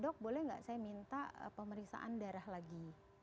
dok boleh nggak saya minta pemeriksaan darah lagi